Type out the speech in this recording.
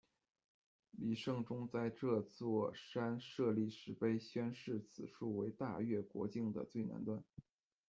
黎圣宗在这座山设立石碑，宣示此处为大越国境的最南端。